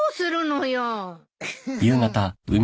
フフフ。